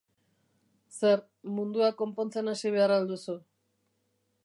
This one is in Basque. Zer, mundua konpontzen hasi behar al duzu?